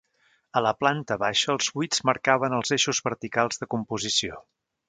A la planta baixa els buits marcaven els eixos verticals de composició.